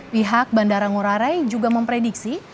pihak bandara ngurarai juga memprediksi